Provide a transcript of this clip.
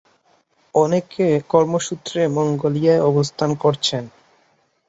অনেকে কর্মসূত্রে মঙ্গোলিয়ায় অবস্থান করছেন।